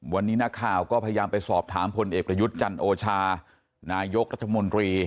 วันนี้นักข่าวก็พยายามไปสอบถามพลเอกประยุทธ์จันโอชานายกรัฐมนตรี